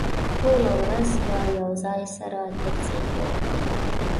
ټوله ورځ به يو ځای سره ګرځېدو.